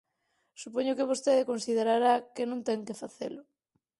Supoño que vostede considerará que non ten que facelo.